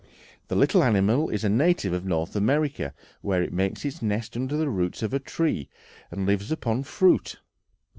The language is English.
The little animal is a native of North America, where it makes its nest under the roots of trees, and lives upon fruit.